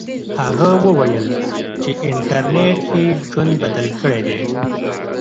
هغه وویل چې انټرنیټ یې ژوند بدل کړی دی.